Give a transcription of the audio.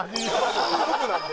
そういう服なんで。